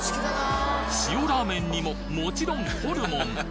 塩ラーメンにももちろんホルモン！